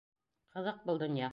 Ҡыҙыҡ был донъя.